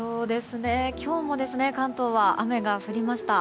今日も関東は雨が降りました。